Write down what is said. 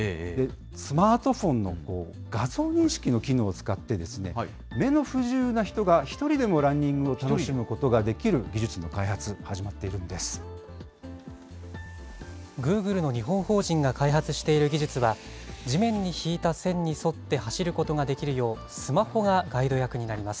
スマートフォンの画像認識の機能を使って、目の不自由な人が、一人でもランニングを楽しむことができる技術の開発、始まっていグーグルの日本法人が開発している技術は、地面に引いた線に沿って走ることができるよう、スマホがガイド役になります。